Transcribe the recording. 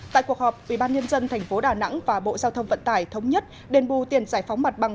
tại cuộc họp ubnd tp đà nẵng và bộ giao thông vận tải thống nhất đền bù tiền giải phóng mặt bằng